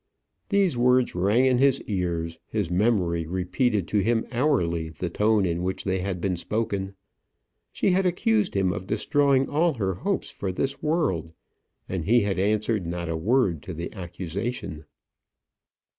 These words rang in his ears; his memory repeated to him hourly the tone in which they had been spoken. She had accused him of destroying all her hopes for this world and he had answered not a word to the accusation.